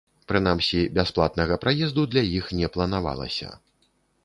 Прынамсі, бясплатнага праезду для іх не планавалася.